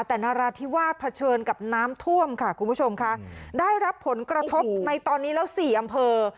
แต่นราธิวาสเผชิญกับน้ำท่วมค่ะคุณผู้ชมค่ะได้รับผลกระทบในตอนนี้แล้วสี่อำเภอ